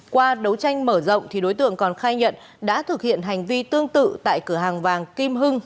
qua đấu tranh mở rộng đối tượng còn khai nhận đã thực hiện hành vi tương tự tại cửa hàng vàng kim hưng